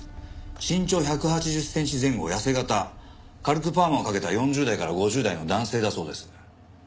身長１８０センチ前後痩せ形軽くパーマをかけた４０代から５０代の男性だそうです。